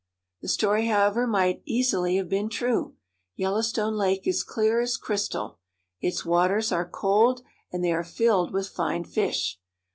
The story, however, might easily have been true. Yel lowstone Lake is as clear as crystal. Its waters are cold, and they are filled with fine fish.